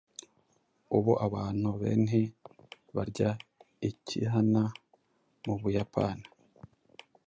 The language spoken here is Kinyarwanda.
Ubu abantu benhi barya ekihana mubuyapani